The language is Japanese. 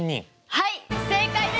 はい正解です！